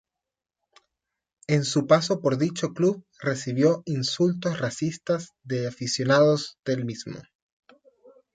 En su paso por dicho club recibió insultos racistas de aficionados del mismo.